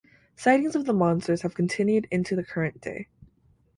Sightings of the monster have continued into the current day.